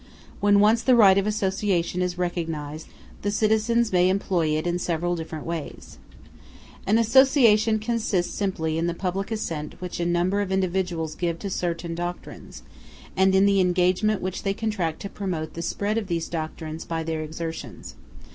When once the right of association is recognized, the citizens may employ it in several different ways. An association consists simply in the public assent which a number of individuals give to certain doctrines, and in the engagement which they contract to promote the spread of those doctrines by their exertions.